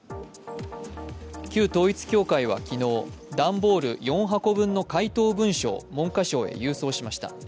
旧統一教会は昨日、段ボール４箱文の回答文書を文科省へ郵送しました。